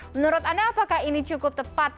menurut anda apakah ini cukup tepat